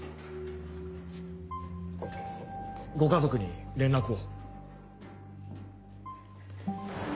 ご家族に連絡を。